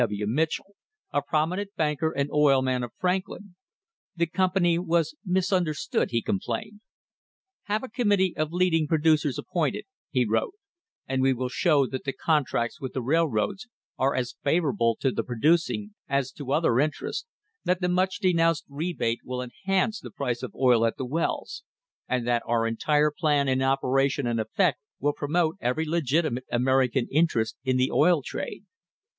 W. Mitchell, a prominent banker and oil man of Franklin. The company was misunderstood, he complained. "Have a committee of leading producers appointed," he wrote, "and we will show that the contracts with the railroads are as favourable to the producing as to other interests ; that the much denounced rebate will enhance the price of oil at the wells, and that our entire plan in operation and effect will promote every legitimate American interest in the oil trade."